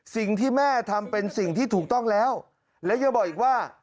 สิ่งที่แม่ทำเป็นสิ่งที่ถูกต้องแล้วและยังบอกอีกว่า